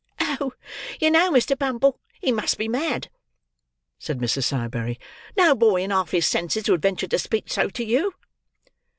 "Oh, you know, Mr. Bumble, he must be mad," said Mrs. Sowerberry. "No boy in half his senses could venture to speak so to you."